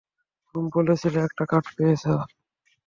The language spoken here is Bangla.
তুমি বলেছিলে, একটা কার্ড পেয়েছ।